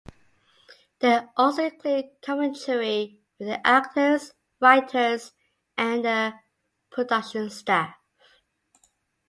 They also include commentary with the actors, writers, and the production staff.